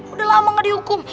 udah lama nggak dihukum